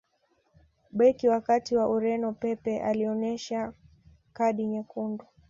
beki wa kati wa ureno pepe alioneshwa kadi nyekundu